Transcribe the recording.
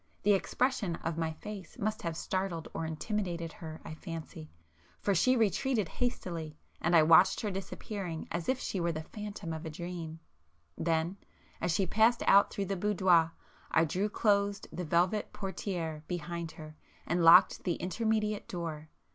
The expression of my face must have startled or intimidated her I fancy, for she retreated hastily and I watched her disappearing as if she were the phantom of a dream,—then, as she passed out through the boudoir, I drew close the velvet portiére behind her and locked the intermediate door.